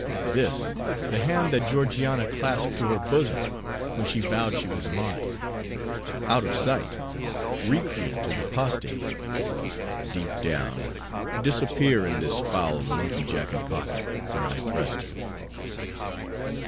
This the hand that Georgiana clasped to her bosom, when she vowed she was mine?—Out of sight, recreant and apostate!—deep down—disappear in this foul monkey jacket pocket where I thrust you!